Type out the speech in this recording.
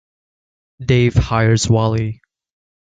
Dave hires Wally.